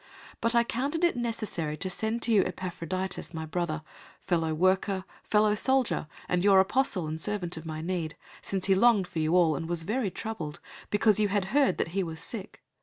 002:025 But I counted it necessary to send to you Epaphroditus, my brother, fellow worker, fellow soldier, and your apostle and servant of my need; 002:026 since he longed for you all, and was very troubled, because you had heard that he was sick.